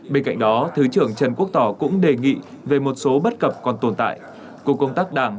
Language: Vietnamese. bên cạnh đó thứ trưởng trần quốc tỏ cũng đề nghị về một số bất cập còn tồn tại của công tác đảng